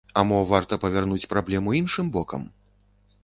А мо варта павярнуць праблему іншым бокам?